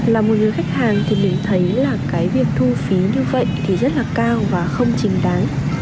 là một người khách hàng thì mình thấy là cái việc thu phí như vậy thì rất là cao và không chính đáng